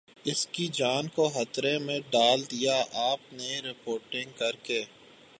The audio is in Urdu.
اسکی جان کو خطرے میں ڈال دیا آپ نے رپورٹنگ کر کے